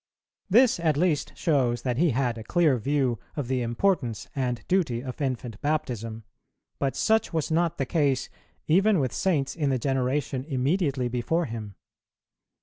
This at least shows that he had a clear view of the importance and duty of infant baptism, but such was not the case even with saints in the generation immediately before him.